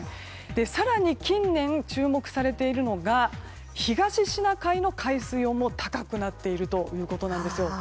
更に、近年注目されているのが東シナ海の海水温も高くなっているということなんですよ。